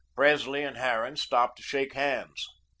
Presley and Harran stopped to shake hands.